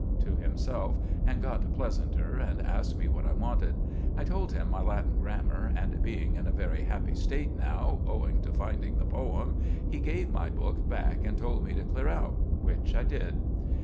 to himself, and got pleasanter and asked me what I wanted. I told him my Latin grammar, and, being in a very happy state now, owing to finding the poem, he gave my book back and told me to clear out; which I did.